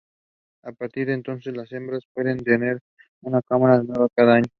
A partir de entonces, las hembras pueden tener una camada nueva cada año.